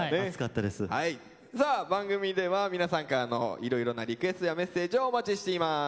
さあ番組では皆さんからのいろいろなリクエストやメッセージをお待ちしています。